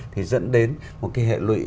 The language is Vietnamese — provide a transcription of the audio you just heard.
thì dẫn đến một cái hệ lụy